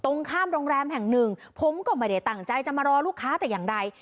ตรงข้ามโรงแรมแห่งหนึ่งผมก็ไม่ได้ตั้งใจจะมารอลูกค้าแต่อย่างใด